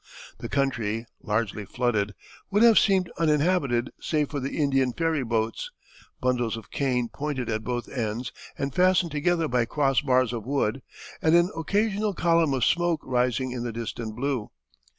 The country, largely flooded, would have seemed uninhabited save for the Indian ferry boats, bundles of cane pointed at both ends and fastened together by crossbars of wood, and an occasional column of smoke rising in the distant blue.